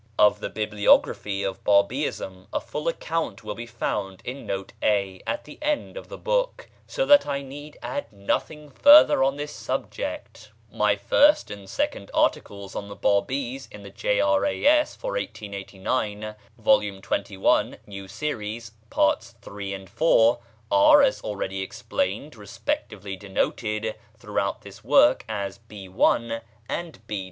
Of the bibliography of Bábíism a full account will be found in Note A at the end of the book, so that I need add nothing further on this subject. My first and second articles on the Bábís in the J.R.A.S. for 1889 (vol. xxi, new series, parts iii and iv) are, as already explained, respectively denoted throughout this work as "B. i," and "B.